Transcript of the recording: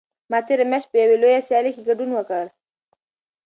ما تېره میاشت په یوې لویه سیالۍ کې ګډون وکړ.